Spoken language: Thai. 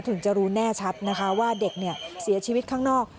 ถึงจะรู้แน่ชัดนะคะว่าเด็กเสียชีวิตข้างนอก